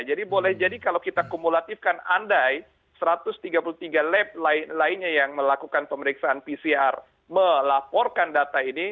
jadi boleh jadi kalau kita kumulatifkan andai satu ratus tiga puluh tiga lab lainnya yang melakukan pemeriksaan pcr melaporkan data ini